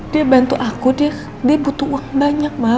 dia bantu aku dia butuh uang banyak ma